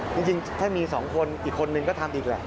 จริงถ้ามี๒คนอีกคนนึงก็ทำอีกแหละ